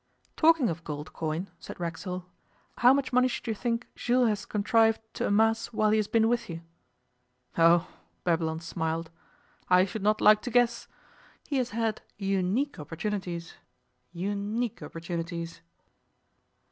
'Talking of gold coin,' said Racksole, 'how much money should you think Jules has contrived to amass while he has been with you?' 'Oh!' Babylon smiled. 'I should not like to guess. He has had unique opportunities opportunities.